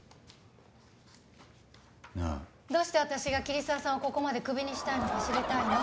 なあ。どうして私が桐沢さんをここまでクビにしたいのか知りたいの？